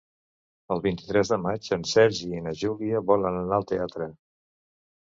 El vint-i-tres de maig en Sergi i na Júlia volen anar al teatre.